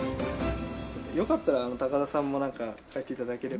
よかったら高田さんもなんか描いて頂ければ。